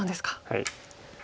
はい。